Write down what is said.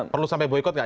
perlu sampai boykot gak